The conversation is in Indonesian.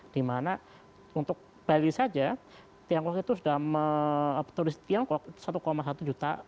di mana untuk bali saja turis tiongkok itu sudah satu satu juta